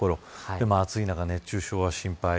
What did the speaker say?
でも暑い中、熱中症は心配。